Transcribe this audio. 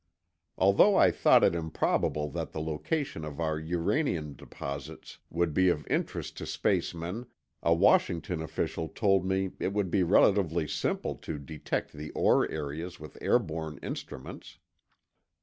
Although I thought it improbable that the location of our uranium deposits would be of interest to space men, a Washington official told me it would be relatively simple to detect the ore areas with airborne instruments.